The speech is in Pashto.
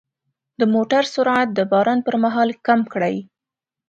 د موټر سرعت د باران پر مهال کم کړئ.